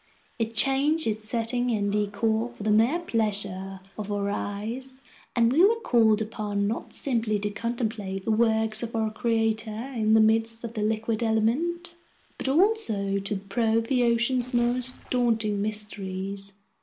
It changed its setting and decor for the mere pleasure of our eyes, and we were called upon not simply to contemplate the works of our Creator in the midst of the liquid element, but also to probe the ocean's most daunting mysteries.